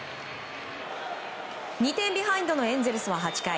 ２点ビハインドのエンゼルスは８回。